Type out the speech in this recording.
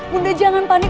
bunda jangan panik